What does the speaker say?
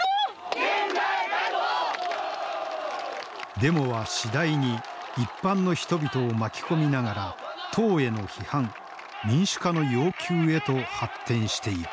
デモは次第に一般の人々を巻き込みながら党への批判民主化の要求へと発展していく。